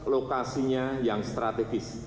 lokasinya yang strategis